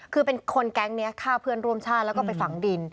คือเป็นคนแก๊งนี้ฆ่าเพื่อนร่วมชาติแล้วก็ไปฝังดิน